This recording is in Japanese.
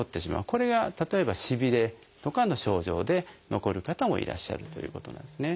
これが例えばしびれとかの症状で残る方もいらっしゃるということなんですね。